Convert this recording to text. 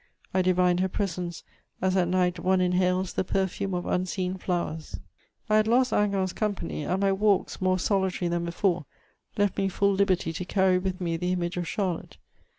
I divined her presence, as at night one inhales the perfume of unseen flowers. I had lost Hingant's company, and my walks, more solitary than before, left me full liberty to carry with me the image of Charlotte.